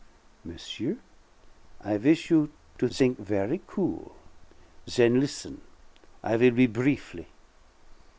Monsieur, I wish you to think very cool. Then listen; I will be briefly.